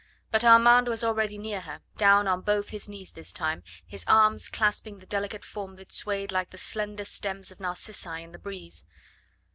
But Armand was already near her, down on both his knees this time, his arms clasping the delicate form that swayed like the slender stems of narcissi in the breeze.